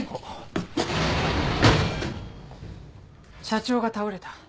社長が倒れた。